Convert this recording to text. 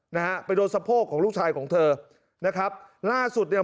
นะฮะไปโดนสะโพกของลูกชายของเธอนะครับล่าสุดเนี่ย